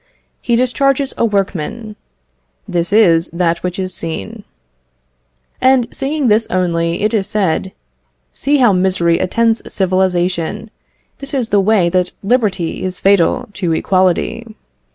He discharges a workman: this is that which is seen. And seeing this only, it is said, "See how misery attends civilisation; this is the way that liberty is fatal to equality.